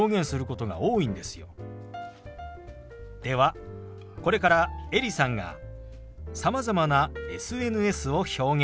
ではこれからエリさんがさまざまなＳＮＳを表現します。